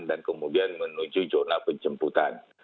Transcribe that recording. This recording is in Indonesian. dan kemudian menuju zona penjemputan